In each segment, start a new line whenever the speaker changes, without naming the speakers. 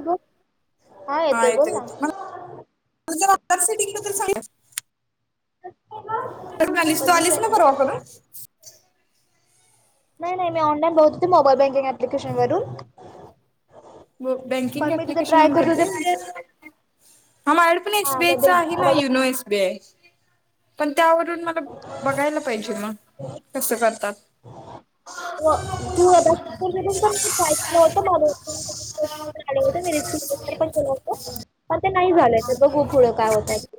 अगं, हा येतोय बोल ना.
तु जर आत्ताच सेटिंग बद्दल सांगितले काय म्हणालीस तू
पल्लीच
आलीस ना
आहे
परवा करूण?
नाही नाही मी ऑनलाईन बोलत होते, मोबाईल बँकिंग अप्लिकेशन वरून.
बँकिंग
पण मी तिथे
ॲप्लिकेशन
ट्राय
ऑन
करत
करते.
होते ते
हाहां माझ्याकडे पण एस
हा
बी आय चा
मोबाईल
आहे ना युनो एस बी आय. पण त्यावरून मला बघायला पाहिजे मग कसं करतात.
तू [unintelligible] [unintelligible] पण ते नाही झालंय तर बघू पुढं काय होतंय आता.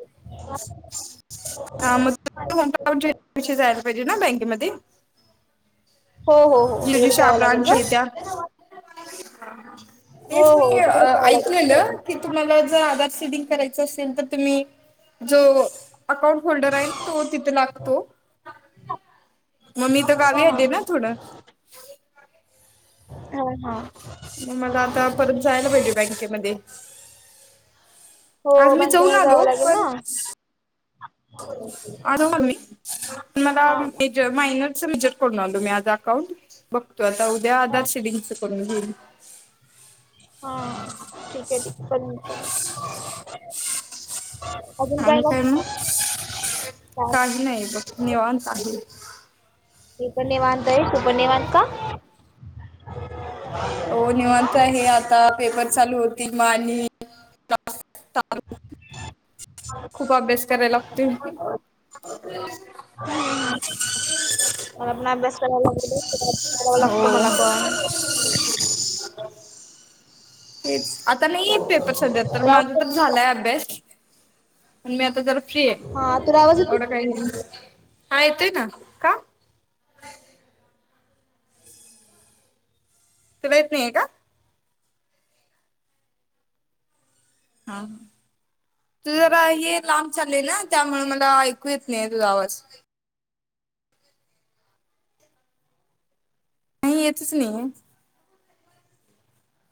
हां मग [unintelligible] पाहिजे ना बँकेमध्ये?
हो हो. हो तिकडे
गिरजशा
जावं लागेल
ब्रांच
का
आहे त्यात.
हो
तेच मी
हो तिकडे जावं लागेल
ऐकलेलं की
ना
तुम्हाला जर आधार सीडिंग कराय चं असेल तर तुम्ही जो अकाउंट होल्डर आहे ना तो तिथे लागतो. मग मी इथं
जरा
गावी
हां हां
आलेय ना थोडं.
हां हां.
मग मला आता परत जायला पाहिजे बँकेमध्ये. आज
हो
मी जाऊन
बँकेमध्ये
आलो
जावं लागेल ना
पण आलो मग मी मला
हां
एक मायनरच बजेट करून आलो मी आज अकाउंट बघतो आता उद्या आधार
हां
सीडिंग करून घेईन.
हां ठीक आहे ठीक पण
आणि काय मग!
काय
काही नाही बघ निवांत आहे.
मी पण निवांत आहे! तू पण निवांत का?
हो निवांत आहे आता पेपर चालू होतील मग आणि [unintelligible] [unintelligible] खूप अभ्यास कराय लागतोय.
वरन अभ्यास [unintelligible] कराव लागतं
हो
मला पण.
तेच आता नाही आहेत पेपर सध्या तर
तुला आवाज
माझा तर
येतो का?
झालाय अभ्यास. पण मी आता जरा फ्री
हा तुला आवाज
आहे
येतो
एवढं काही हां येतोय ना. का तुला येत नाहीये का? हां. तुझं जरा हे लांब चाललंय ना त्यामुळे मला ऐकू येत नाहीये तुझा आवाज. नाही येतंच नाही आहे.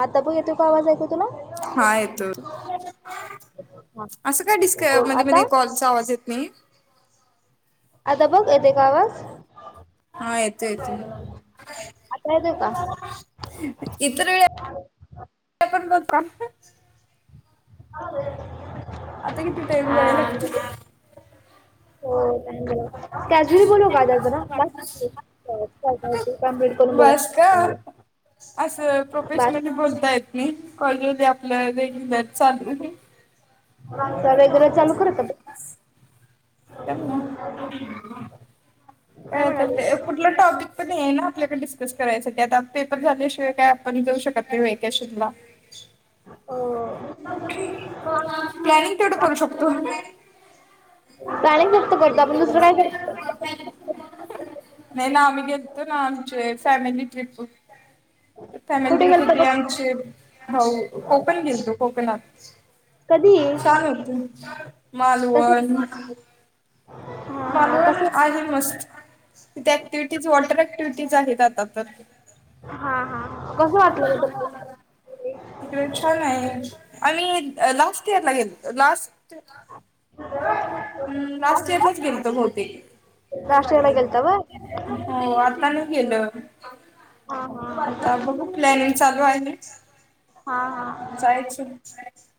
आता बघ येतो का आवाज ऐकू तुला!
हां येतो
हा
असं काय डिस्
बघ
मध्ये मध्ये
आता
कॉल चा आवाज येत नाहीये?
आता बघ येतोय का आवाज!
हा येतो येतो
आता येतोय का?
इतर वेळी [unintelligible]
[inaudible]
आता किती टाईम राहिलं?
कॅसुअली बोलू का आता जरा आपण? कम्प्लीट करून बोला
बस का
मला
असं प्रोफेशनली बोलता येतं नाही कॉल वर आपलं रेग्युलर चालू
रेग्युलेर चालू कर आता मग.
[unintelligible] काय ते कुठलं टॉपिक पण नाही आहे ना आपल्याकडे डिस्कस करायसाठी आता पेपर झाल्याशिवाय काय पण जाऊ शकत नाही व्हेकेशन ला.
हो
प्लॅनिंग तेवढं करू शकतो.
प्लॅनिंग फक्त करतो. आपण दुसरं काय कर.
नाही ना आम्ही गेलतो ना आमचे फॅमिली ट्रिप. फॅमिली
कुठे
ट्रिप होती.
गेलतो
आमचे भाऊ कोकण गेलतो कोकणात.
कधी
छान होते
कस
मालवण-
हा हा
मालवण
कस
आहे मस्त. तिथ ऍक्टिव्हटीज वॉटर ऍक्टिव्हटीज आहेत आता तर.
हा हा कसं वाटल बद्दल.
तिकडे छानाय आम्ही अ लास्ट इयर ला गेल लास्ट हम लास्ट इयरलाच गेलतो बहुतेक.
राष्ट्रीयला गेलता व्हय
हो आता नाय गेलं
हा हा
आता बघू प्लॅनिंग चालू आहे.
हा हा,
जायचं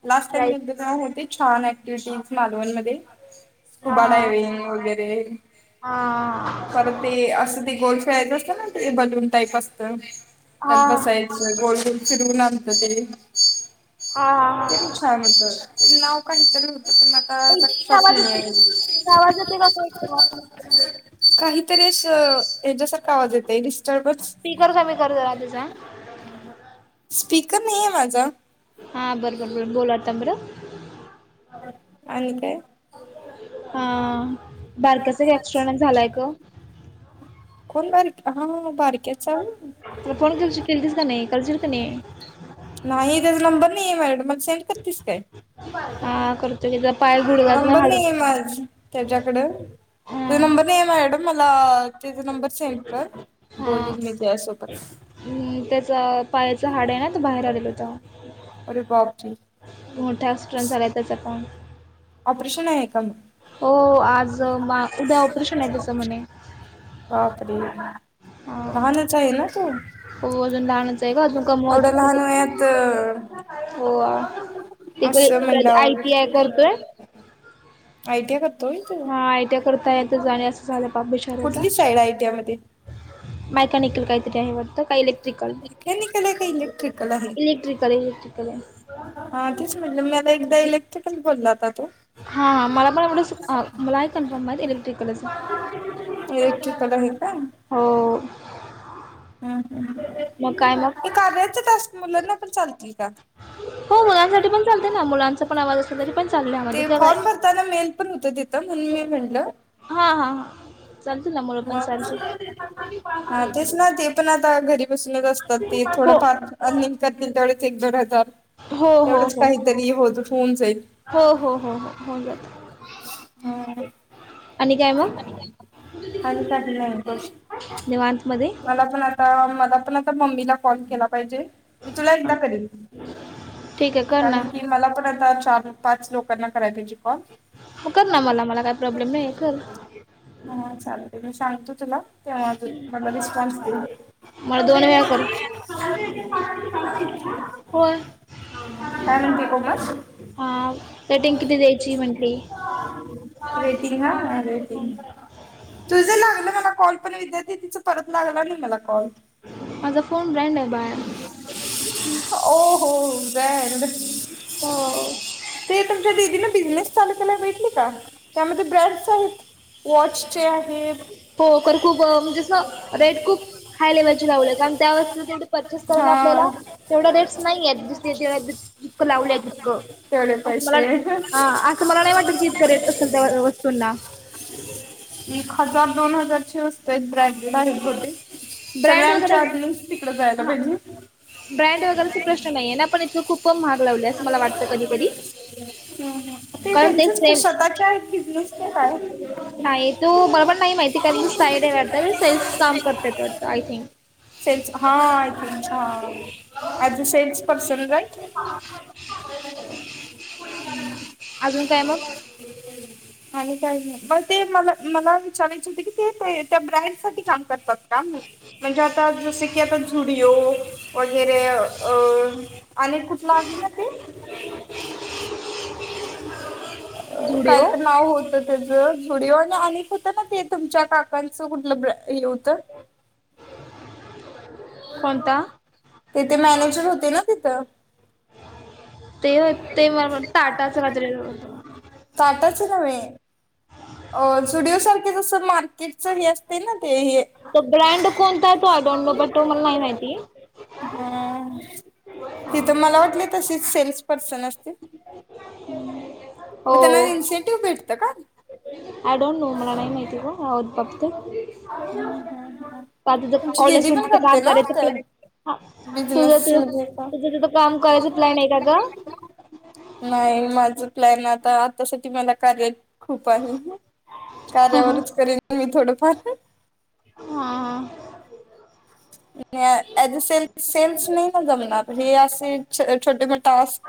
लास्ट टाइम
राईट
एकदा का होते. छान ऍक्टिव्हटीज मालवण मध्ये स्कूबा डायव्हिंग वगैरे,
हा हा हा,
परत ते असं ते गोल खेळायचं असत ना ते बलून टाईप असतं
हा
त्यात
हा
बसाय. गोल्डन फिरवून आणतं ते,
हा
ते पण
हा
छान हुतं नाव काहीतर हुतं ते आता लक्षात
आवाज
नाहीये.
आवाज येतोय का काय?
काहीतरी अस हेज्यासारखं आवाज येतय डिस्टर्बच.
स्पीकर कमी कर जरा तुझा
स्पीकर नायिये माझा.
हा बरबर बर बोला आता बर,
आणि काय?
हा बारकंस [unintelligible] झालाय का ग.
कोण बारक? हा हा बारक्या.
तु फोन केलतीस क नई? करशील का नई.
नाही त्याच नंबर नई माझ्याकडं म सेंड. करतीस काय?
हा करतो की त्याचा पाय गुडघ्यातन
नंबर
हाड
नाहीये माझ त्याजाकड,
हा
नंबर नायिये माज्याकडं मला त्याझ नंबर सेंड कर. बोलीन मी त्यासोबत
हम [inaudible]
अरे बाबजी.
मोठा [unintelligible] झालाय त्याचा पण,
ऑपरेशन आहे का म?
हो आज मा उद्या ऑपरेशनाय त्याचं म्हणे.
बापरे
हा
लहानच हाय ना तो?
हो अजून लहानचय ग अजून.
एवढंया
कमवत
लहान वयात-
हो तिकडे
असं
आय
म्हणल्यावर, [unintelligible]
टी आय करतोय हा आय टिया करता येत. अणि असं झालं बाप बिचाऱ्याचं.
कुठली साईड आय टी आय मध्ये
मेकॅनिकल कायितरी आहे वाटतं, का इलेक्ट्रिकल?
मेकॅनिकलाय का इलेक्ट्रिकल आहे.?
इलेक्ट्रिकल इलेक्ट्रिकल आहे
हा तेच म्हटलं मी आता एकदा इलेक्ट्रिकल बोलला होता तो.
हा हा मला पण एवढं हा मला कन्फर्म आहे इलेक्ट्रिकलच
एक तला आहेता [unintelligible]
हो
हम्म हम्म
मग काय मग?
कार्याच टास्क मुलांना पण चालतील का?
हो मुलांसाठी पण चालतंय ना मुलांचा पण आवाज असेल तरी पण चालतंय यामधी
ते फॉर्म भरताना मेल पण होत तिथं होत म्हणून मी म्हटलं
हाहा हा चालतील ना, मुलं पण
मग हा
चालतील.
तेच ना ते पण आता घरी बसूनच असतात. ते थोडं
हो
फार अर्निग करतील तेवढेच एक, दोन हजार
हो हो
तेवढंच
हो
काहीतरी होत होऊन जाईल
हो हो हो हो होऊन
ह
जातं. आणि काय मग?
आणि काही नाही बस
निवांतमध्ये
मला पण आ ता मला पण आता मम्मीला कॉल केला पाहिजे. मी तुला एकदा करेन
ठीक आहे कर ना
कारण की मला पण आता चार, पाच लोकांना करायंला पाहिजे कॉल.
तू कर ना मला, मला काही प्रॉब्लेम नाही आहे कर.
हा, चालेल मी सांगतो तुला, तेव्हा मला रिस्पॉन्स दे.
मला दोन वेळा कर होय.
काय म्हणते कोमल
हा, रेटिंग किती द्यायची म्हंटली?
रेटींग ना? तुझं लागलं मला कॉल, पण विद्या दिदीचा परत लागला नाही मला कॉल.
माझा फोन ब्रँड आहे. बाळ
ओ हो हो, ब्रॅंड
हो
ते तुमच्या दिदीनं, बिझनेस चालू केला बघितली का? त्यामध्ये ब्रँड्स आहेत वॉचचे आहेत
हो खरं खुप म्हणजे असं रेट खूप हाय लेवलचे लावलेत, कारण त्या पासून तेवढं परचेस करायला
हा
आपल्याला तेवढा रेट्स नाहीयेत, जितकं लावले तितकं.
तेवढे
असं मला
पैसे
नाही, असं मला नाही वाटतं की इतके रेट असतील त्या वस्तूंना.
एक हजार, दोन हजारची वस्तू प्रत्येक ब्रँडेड आहे प्रोडक्ट, सगळे
ब्रँड वगैरे
आमच्या अगेंस्ट तिकडे जायला
हा
पाहिजे.
ब्रँड वगैरेचा प्रश्न नाही आहे ना. पण इतकं खूप महाग लावले, असं मला वाटत कधीकधी.
हम्म ते त्यांचच स्वतःच्या बिझनेस का काय?
नाही तो बरोबर नाही माहिती. कारण ती [unintelligible] वाटतं सेल्स काम करतेत, आय थिंक.
सेल्स हां, हा I think a cells person right
अजून काय मग?
आणि काही नाही. मग ते मला मला विचारायचं होत की, ते त्या ब्रँड साठी काम करतात का? म्हणलं. म्हणजे आता जसं की, आता झुडिओ वगैरे अं आणि एक कुठला आहे ना ते?
[unintelligible]
काय
झुडिओ
तर नाव होतं त्याचं झुडिओ आणि, आणि एक होतं ना ते तुमच्या काकांचं कुठलं ब्रॅ हे होतं? ते
कोणता
तेथे मॅनेजर होते ना तिथं.
ते होय, ते मला टाटाचं काहीतरी होतं
टाटांचं नव्हे अं.. झुडिओ सारखे जसं, मार्केटच हे असते ना ते हे
तो ब्रँड कोणता आहे? तो आय डोंट नो बट, तो मला नाही माहिती.
हा, तिथं मला वाटले तसेच सेल्स पर्सन अस
हो
मग त्यांना इन्सेंटिव्ह भेटतं का?
आय डोंट नो, मला नाही माहीत नाही गं, बघते. [unintelligible]
केला?
प्लॅ
[unintelligible]
हा तुझं तुझं
बिजनेसमध्ये का?
तुझं तिथं काम करायचं प्लॅन आहे का ग?
नाही, माझं प्लॅन आता, आतासाठी मला कार्या खूप आहे.
हा
कार्यावरच करेन, मी थोडंफार.
हां हां.
अॅज सेल् सेल्स नाही ना जमणार हे असे छो छोटे टास्क,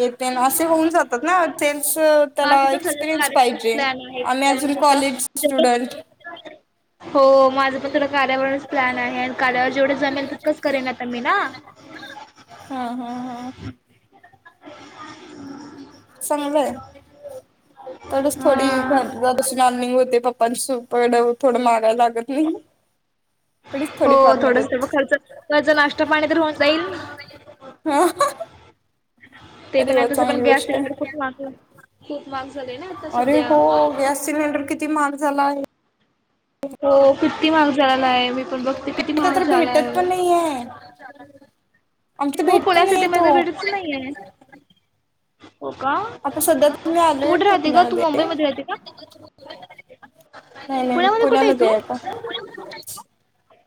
ये तेन असे होऊन जातात ना ते त्याला
माझं पण सगळं
एक्सपिरियन्स
कार्यावरच
पाहिजे
प्लॅन आहे
आम्ही अजून कॉलेज
कार्यावर
स्टुडंट
[unintelligible] हो माझं पण थोडं कार्यावरच प्लॅन आहे आणि कार्यावर जेवढं जमेल तितकंच करेन आता मी ना
हा हा हा. चांगलय, तेवढीच थोडी घर
हा
[unintelligible] होते पप्पांपड थोडं मारायला लागत नाही. थोडीच
हो
थोडीफार
थोड म
मदत
खर्च त्यांचा नाश्ता पाणी तर होऊन जाईल.
हो.
ते पण आहे, तसं पण गॅस
गोष्ट
सिलेंडर खूप
आहे.
महाग खूप महाग झाले ना आता.
अरे
सध्या.
हो गॅस सिलेंडर किती महाग झाला आहे.
हो किती महाग झाला आहे मी पण बघ
काय ठिकाणी तर भेटत पण नाही आहे. आमच्या
हो
भेट पण
पुण्या सिटी मध्ये भेटच नाहीये. हो का
आता सध्या तर मी आलोय
कुठे राहते का तू
पुण्यामध्ये
मुंबई मध्ये राहते का?
नाही नाही मी
पुण्यामध्ये कुठे आहे तू?
आता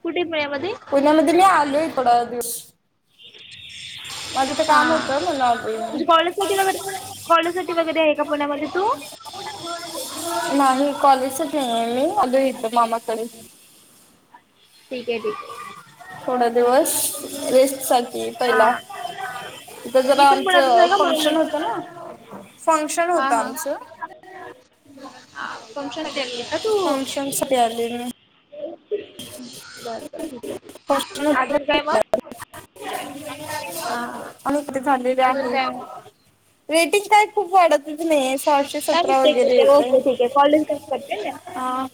कुठे ये पुण्यामधी?
पुण्यामध्ये मी आलोय ईकड
[unintelligible]
कॉलेजचे
हा
काम होत, म्हणून आलोय मी.
म्हणजे कॉलेजसाठी वगैरे कॉलेजसाठी वगैरे आहे का पुण्यामध्ये तू?
नाही कॉलेजसाठी य मी अल येतो मामाकडे
ठीक आहे ठीक आहे.
थोडा दिवस रेस्टसाठी पहिला.
हा
इथ
मी
जरा
पण पुण्यातच
आमचं
आहे का म्हणून
फंक्शन
म्हण
होत ना. फंक्शन
हा
होत आमच
हा. फंक्शन अटेंड केली का तू?
फंक्शन साठी आले मी.
बर बर ठीक आहे, अजून काय मग! ह
आणि कुठे झालेले
अजून
आहे
काय नाही.
रेटिंग काय खुप वाढतच नाही सहाशे
चालेल
सतरावर
चेक
वगैरे
करते
येतय.
ओके ठीक आहे कॉलेज कट करते ना.
अं